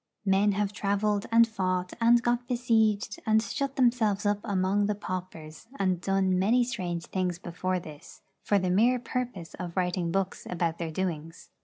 Men have travelled, and fought, and got besieged, and shut themselves up among the paupers, and done many strange things before this, for the mere purpose of writing books about their doings.